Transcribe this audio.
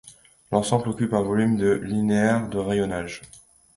L'ensemble occupe un volume de linéaires de rayonnage.